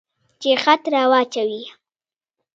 چې خط را واچوي.